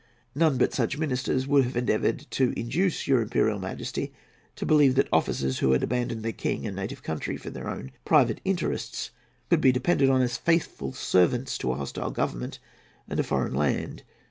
None but such ministers would have endeavoured to induce your Imperial Majesty to believe that officers who had abandoned their King and native country for their own private interests could be depended on as faithful servants to a hostile Government and a foreign land.